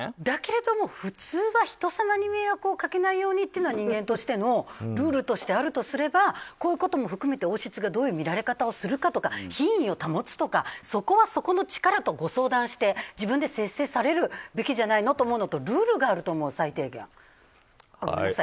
だけれども、普通は人様に迷惑をかけないようにというのは人間としてのルールとしてあるとすればこういうことも含めて王室がどういう乱れ方をするとか品位を保つとかそこはそこの力とご相談して自分で節制されるべきじゃないのとルールがあると思う、最低限。